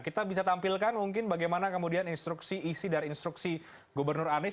kita bisa tampilkan mungkin bagaimana kemudian instruksi isi dan instruksi gubernur anies